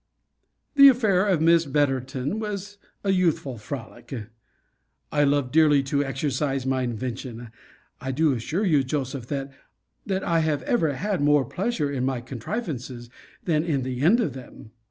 The affair of Miss Betterton was a youthful frolic. I love dearly to exercise my invention. I do assure you, Joseph, that I have ever had more pleasure in my contrivances, than in the end of them.